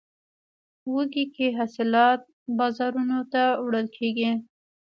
وږی کې حاصلات بازارونو ته وړل کیږي.